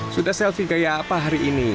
sudah selfie kayak apa hari ini